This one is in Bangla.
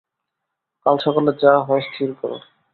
কাল সকালে যা হয় স্থির কোরো।